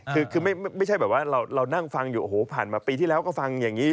คือไม่ใช่แบบว่าเรานั่งฟังอยู่โอ้โหผ่านมาปีที่แล้วก็ฟังอย่างนี้